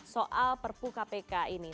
soal perpu kpk ini